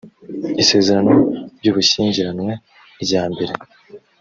isezerano ry ubushyingiranywe rya mbere